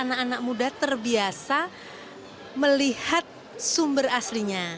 anak anak muda terbiasa melihat sumber aslinya